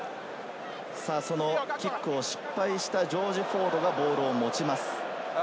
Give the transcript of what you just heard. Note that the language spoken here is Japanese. キックを失敗したジョージ・フォードがボールを持ちます。